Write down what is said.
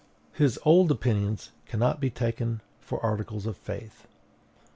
His old opinions cannot be taken for articles of faith.